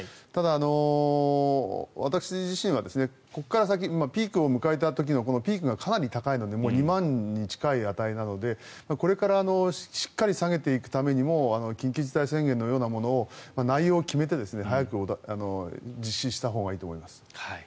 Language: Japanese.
ただ、私自身はここから先ピークを迎えた時のこのピークがかなり高いのでもう２万に近い値なのでこれからしっかり下げていくためにも緊急事態宣言のようなものを内容を決めて早く実施したほうがいいと思います。